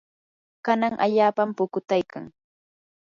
kanan allaapam pukutaykan.